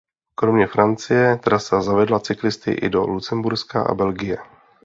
Kromě Francie trasa zavedla cyklisty i do Lucemburska a Belgie.